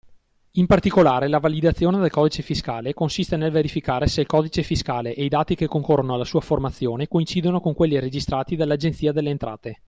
In particolare, la validazione del codice fiscale consiste nel verificare se il codice fiscale e i dati che concorrono alla sua formazione, coincidono con quelli registrati dall’Agenzia delle Entrate.